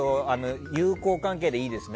友好関係でいいですね。